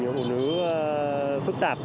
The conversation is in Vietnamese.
ủn ứu phức tạp